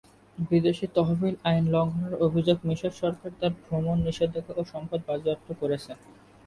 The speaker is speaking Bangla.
বিদেশী তহবিল আইন লঙ্ঘনের অভিযোগে মিশর সরকার তার ভ্রমণ নিষেধাজ্ঞা ও সম্পদ বাজেয়াপ্ত করেছে।